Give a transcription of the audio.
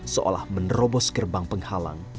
seolah menerobos gerbang penghalang